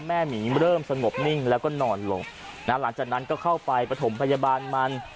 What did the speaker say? หมีเริ่มสงบนิ่งแล้วก็นอนลงหลังจากนั้นก็เข้าไปประถมพยาบาลมัน